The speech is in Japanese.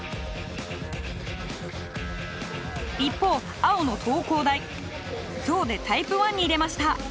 一方青の東工大ゾウでタイプ１に入れました。